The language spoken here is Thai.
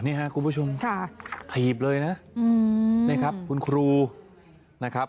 อ๋อนี่ฮะคุณผู้ชมค่ะถีบเลยนะอืมนะครับคุณครูนะครับ